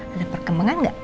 ada perkembangan gak